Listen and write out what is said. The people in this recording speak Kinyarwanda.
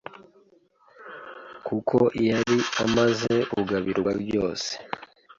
kuko yari amaze kugabirwa byose